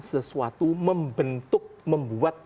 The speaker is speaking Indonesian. sesuatu membentuk membuat